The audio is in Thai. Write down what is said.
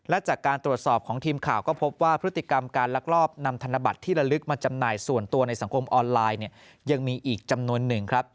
และจากการตรวจสอบของทีมข่าวก็พบว่าพฤติกรรมการลักลอบนำธนบัตรที่ละลึกมาจำหน่ายส่วนตัวในสังคมออนไลน์เนี่ยยังมีอีกจำนวนหนึ่งครับ